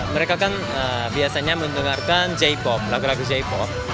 mereka kan biasanya mendengarkan j pop lagu lagu j pop